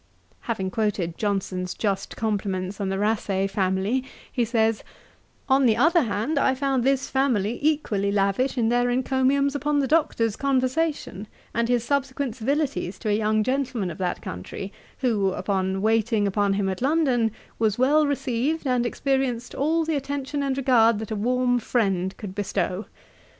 Having quoted Johnson's just compliments on the Rasay family, he says, 'On the other hand, I found this family equally lavish in their encomiums upon the Doctor's conversation, and his subsequent civilities to a young gentleman of that country, who, upon waiting upon him at London, was well received, and experienced all the attention and regard that a warm friend could bestow.